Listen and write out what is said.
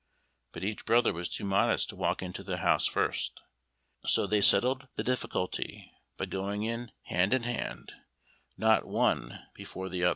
But each brother was too modest to walk into the house first, so they settled the difficulty by going in hand in hand, not one before the other.